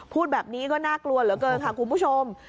พูดแบบนี้ก็น่ากลัวเหลือเกินค่ะคุณผู้ชม